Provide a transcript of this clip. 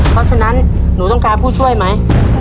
เพราะฉะนั้นหนูต้องการผู้ช่วยไหม